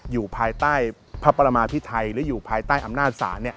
อยู่ภายใต้พระประมาพิไทยหรืออยู่ภายใต้อำนาจศาล